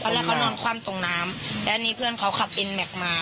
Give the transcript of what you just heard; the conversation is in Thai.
แรกเขานอนคว่ำตรงน้ำแล้วอันนี้เพื่อนเขาขับเอ็นแม็กซ์มา